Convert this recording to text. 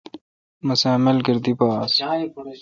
مسہ اؘ ملگر دی پا آس ۔